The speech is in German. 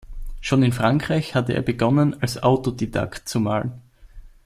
Schon in Frankreich hatte er begonnen, als Autodidakt zu malen.